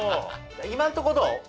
今んとこどう？